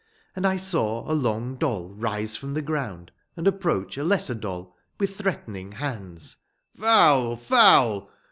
And I saw a long doll rise from the ground and approach a lesser doll with threatening hands. "Foul! Foul!"